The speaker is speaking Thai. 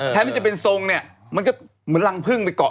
แทนที่จะเป็นทรงคุณต้องถ่ายเป็นแบบ